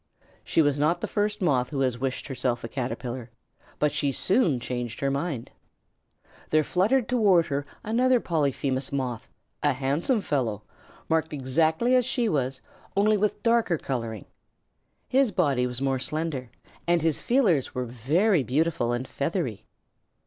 She was not the first Moth who has wished herself a Caterpillar, but she soon changed her mind. There fluttered toward her another Polyphemus Moth, a handsome fellow, marked exactly as she was, only with darker coloring. His body was more slender, and his feelers were very beautiful and feathery.